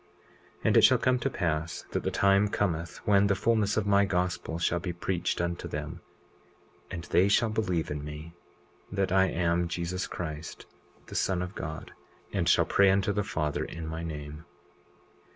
20:30 And it shall come to pass that the time cometh, when the fulness of my gospel shall be preached unto them; 20:31 And they shall believe in me, that I am Jesus Christ, the Son of God, and shall pray unto the Father in my name.